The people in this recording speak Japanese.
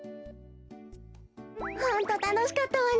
ホントたのしかったわね。